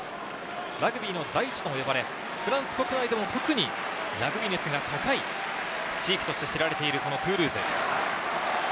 ラグビーの大地とも呼ばれ、フランス国内でも特にラグビー熱が高い地域として知られているトゥールーズ。